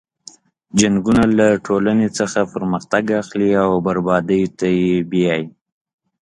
جنګونه له ټولنې څخه پرمختګ اخلي او بربادۍ ته یې بیایي.